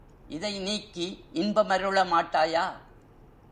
இதை நீக்கி இன்பம் அருள மாட்டாயா?